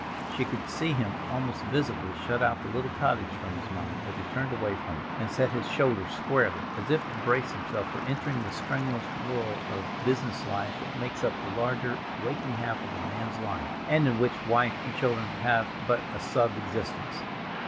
She could see him almost visibly shut out the little cottage from his mind as he turned away from it, and set his shoulders squarely, as if to brace himself for entering the strenuous whirl of business life that makes up the larger, waking half of a man's life, and in which wife and children have but a sub existence.